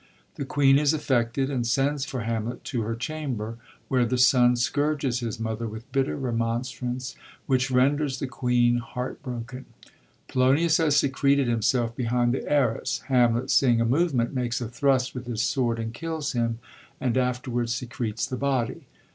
The queen is affected and sends for Hamlet to her chamber, where the son scourges his mother with bitter remonstrance, which ren ders the queen heart broken. Polonius has secreted himself behind the arras ; Hamlet, seeing a movement, makes a thrust with his sword and kills him, and after wards secretes the body.